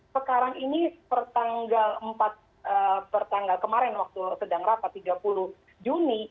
sekarang ini pertanggal empat pertanggal kemarin waktu sedang rapat tiga puluh juni